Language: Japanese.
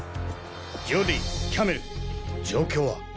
ジョディキャメル状況は？